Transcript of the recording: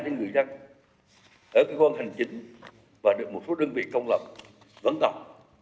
trên người dân ở cơ quan hành chính và được một số đơn vị công lập vấn đọc